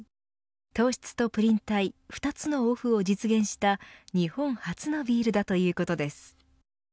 糖質とプリン体２つのオフを実現した日本初のビールだということです。